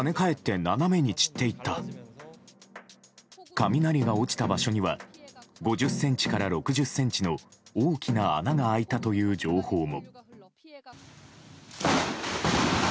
雷が落ちた場所には５０ｃｍから６０ｃｍの大きな穴が開いたという情報も。